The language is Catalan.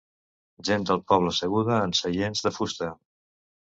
Gent del poble asseguda en seients de fusta.